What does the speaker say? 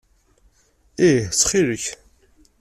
Ih ttxil-k.